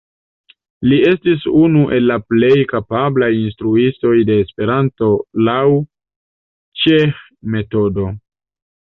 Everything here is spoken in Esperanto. Li estis unu el la plej kapablaj instruistoj de Esperanto laŭ Cseh-metodo.